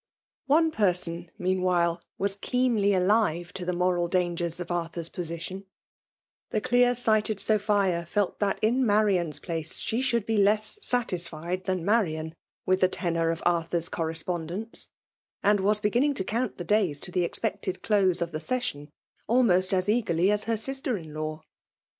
298 FBMALB OOlClNAtfOir. One person, meanwhile was keealy aEve to the moral dangers of Artkur^s pontioiL The dear Bighted Sophia fAi that ia Mariaa's place she should be less satisfied than Marian with the tenour of Arthur's oorreifKmdence ; and was beginning to count the days to the expected close of the session^ almost as eagerly as her sister in law.